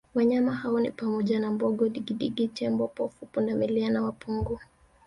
Wanyama hao ni pamoja na Mbogo Digidigi Tembo pofu Pundamilia na pongo